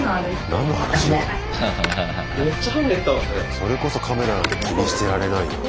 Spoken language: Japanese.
それこそカメラなんて気にしてられないよね。